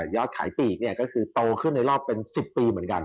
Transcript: ยอดขายปีกเนี่ยก็คือโตขึ้นในรอบเป็น๑๐ปีเหมือนกัน